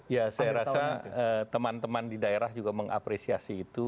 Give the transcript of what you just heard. ya saya rasa teman teman di daerah juga mengapresiasi itu